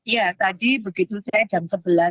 ya tadi begitu saya jam sebelas